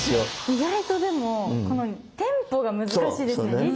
意外とでもこのテンポが難しいですね。